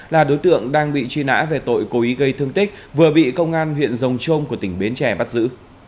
là đối tượng đang bị truy nã về tội cố ý gây thương tích vừa bị công an huyện rồng trôm của tỉnh bến tre bắt giữ